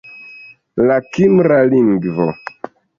La kimra lingvo.